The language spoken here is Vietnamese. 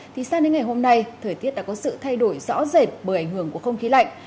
thì sang đến ngày hôm nay thời tiết đã có sự thay đổi rõ rệt bởi ảnh hưởng của không khí lạnh